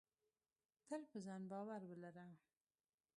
تل په ځان باور ولره.